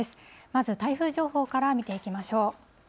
まず台風情報から見ていきましょう。